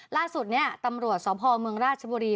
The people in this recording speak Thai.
ล่าสุดเนี่ยตำรวจสพเมืองราชบุรี